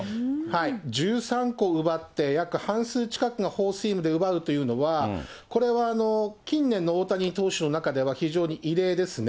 １３個奪って、約半数近くがフォーシームで奪うというのは、これは、近年の大谷投手の中では、非常に異例ですね。